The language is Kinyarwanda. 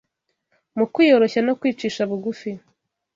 mu kwiyoroshya no kwicisha bugufi